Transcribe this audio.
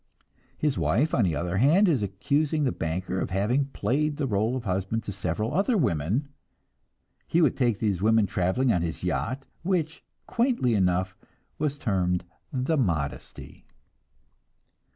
His wife, on the other hand, is accusing the banker of having played the role of husband to several other women. He would take these women traveling on his yacht, which, quaintly enough, was termed the "Modesty."